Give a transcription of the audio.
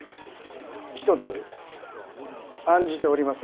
一つ案じております